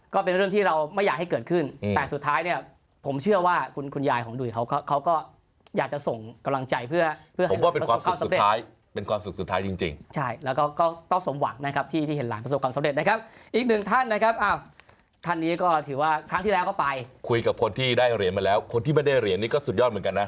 ก็เหมือนเป็นการทุกสู้กับตัวเอง